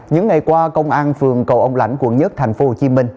những ngày qua công an phường cầu ông lãnh quận một thành phố hồ chí minh